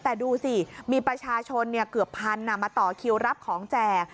แต่ดูสิมีประชาชนเกือบพันมาต่อคิวรับของแจก